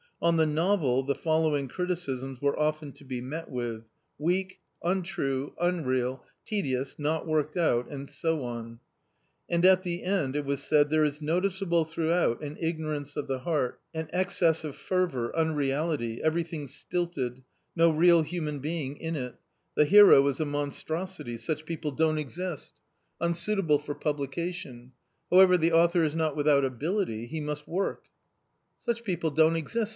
On the novel the following criticisms were often to be met with :" weak, untrue, unreal, tedious, not worked out " and so on, and at the end it was said "there is notice able throughout an ignorance of the heart, an excess of fervour, unreality, everything stilted, no real human being in it — the hero is a monstrosity — such people don't exist — A COMMON STORY 101 unsuitable for publication ! However, the author is not without ability ; he must work !" "Such people don't exist!